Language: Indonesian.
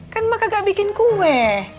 kan emak kagak bikin kue